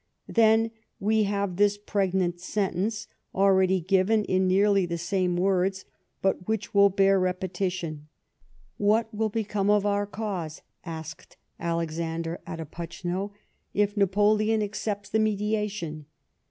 Then wc have this preijfnant sentence, already given in nearly the same words, hut wliich will hear repetition, " "\Vl)at will become of our cause," asked Alexander at Opocuo, "if Napoleon accepts the mediation."